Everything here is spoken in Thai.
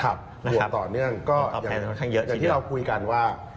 ห่วงต่อเนื่องก็อย่างที่เราคุยกันว่า